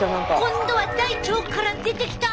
今度は大腸から出てきた！